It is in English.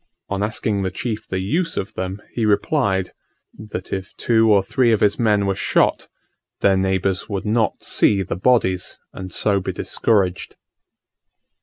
On asking the chief the use of them, he replied, that if two or three of his men were shot, their neighbours would not see the bodies, and so be discouraged.